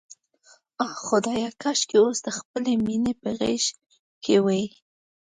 آه خدایه، کاشکې اوس د خپلې مینې په غېږ کې وای.